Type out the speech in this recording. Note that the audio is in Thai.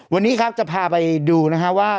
วันนี้ครับจะพาไปดูนะฮะว่า